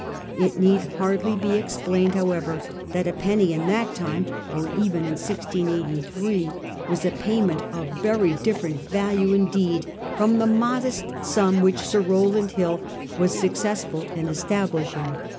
It need hardly be explained, however, that a penny in that time, or even in 1683, was a payment of very different value indeed from the modest sum which Sir Rowland Hill was suc cessful in establishing.